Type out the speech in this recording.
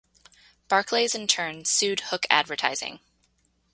Barclays in turn sued Hook Advertising.